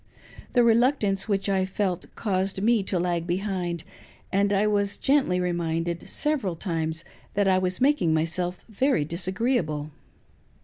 The reluctance which I felt caused me to lag behind.'and I was gently reminded several times that I was making myself very disagreeable.